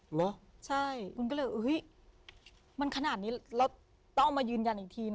เหรอใช่คุณก็เลยเฮ้ยมันขนาดนี้แล้วต้องเอามายืนยันอีกที